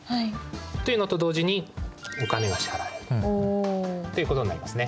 というのと同時にお金が支払われるということになりますね。